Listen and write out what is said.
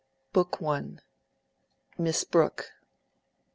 BOOK I. MISS BROOKE.